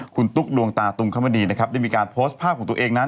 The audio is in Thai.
คุณตุ๊กดวงตาตุงคมณีนะครับได้มีการโพสต์ภาพของตัวเองนั้น